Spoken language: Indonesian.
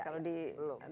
kalau di belum